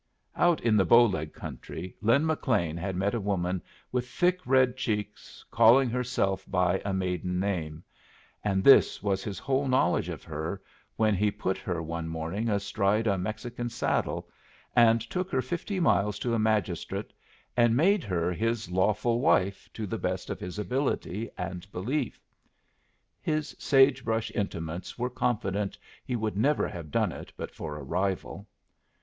Out in the Bow Leg country Lin McLean had met a woman with thick, red cheeks, calling herself by a maiden name; and this was his whole knowledge of her when he put her one morning astride a Mexican saddle and took her fifty miles to a magistrate and made her his lawful wife to the best of his ability and belief. His sage brush intimates were confident he would never have done it but for a rival.